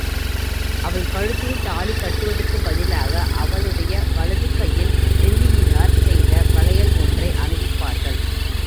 அவள் கழுத்தில் தாலி கட்டுவதற்குப் பதிலாக, அவளுடைய வலது கையில் வெள்ளியினாற் செய்த வளையல் ஒன்றை அணிவிப்பார்கள்.